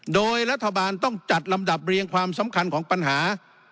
โดยรัฐบาลต้องจัดลำดับเรียงความสำคัญของปัญหา